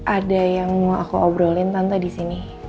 ada yang mau aku obrolin tante disini